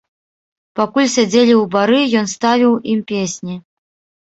Пакуль сядзелі ў бары, ён ставіў ім песні.